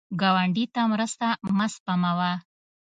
ګاونډي ته مرسته مه سپموه